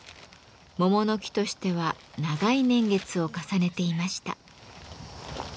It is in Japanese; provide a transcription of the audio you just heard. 桃の木としては長い年月を重ねていました。